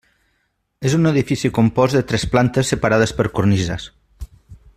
És un edifici compost de tres plantes separades per cornises.